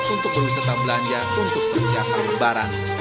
untuk bermisah tablanja untuk persiapan kebaran